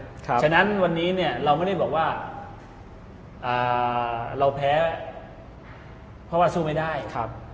เพราะฉะนั้นวันนี้เนี่ยเราไม่ได้บอกว่าเราแพ้เพราะว่าสู้ไม่ได้ครับ